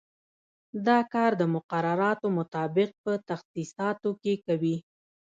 دا کار د مقرراتو مطابق په تخصیصاتو کې کوي.